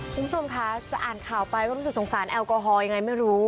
คุณผู้ชมคะจะอ่านข่าวไปก็รู้สึกสงสารแอลกอฮอลยังไงไม่รู้